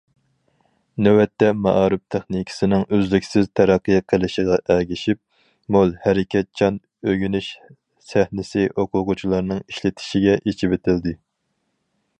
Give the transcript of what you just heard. نۆۋەتتە، مائارىپ تېخنىكىسىنىڭ ئۈزلۈكسىز تەرەققىي قىلىشىغا ئەگىشىپ، مول، ھەرىكەتچان ئۆگىنىش سەھنىسى ئوقۇغۇچىلارنىڭ ئىشلىتىشىگە ئېچىۋېتىلدى.